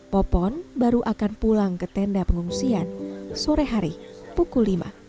popon baru akan pulang ke tenda pengungsian sore hari pukul lima